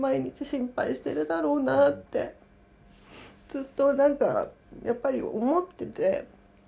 ずっとなんかやっぱり思っていて。